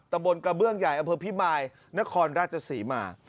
ตะบนกระเบื้องใหญ่อพิมายนครราชศรีมา